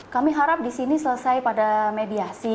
kami harap di sini selesai pada mediasi